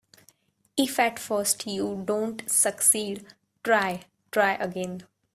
If at first you don't succeed, try, try again.